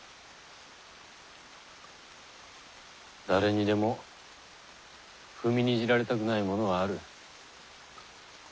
誰にでも踏みにじられたくないものはある。